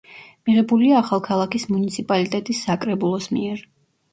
მიღებულია ახალქალაქის მუნიციპალიტეტის საკრებულოს მიერ.